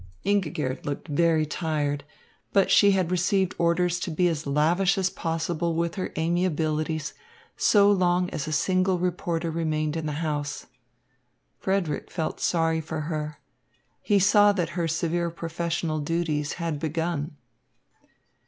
Ingigerd looked very tired. But she had received orders to be as lavish as possible with her amiabilities so long as a single reporter remained in the house. Frederick felt sorry for her. He saw that her severe professional duties had begun.